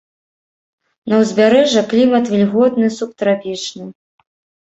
На ўзбярэжжа клімат вільготны субтрапічны.